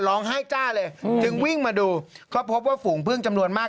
ร้องไห้จ้าเลยจึงวิ่งมาดูก็พบว่าฝูงพึ่งจำนวนมาก